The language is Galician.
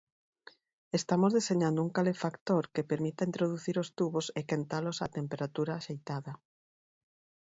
Estamos deseñando un calefactor que permita introducir os tubos e quentalos á temperatura axeitada.